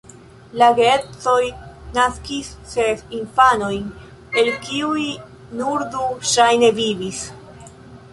La geedzoj naskis ses infanojn, el kiuj nur du ŝajne vivis.